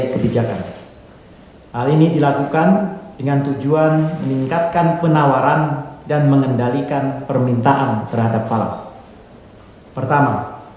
ketiga memperkuat pengelolaan penawaran dan permintaan peluang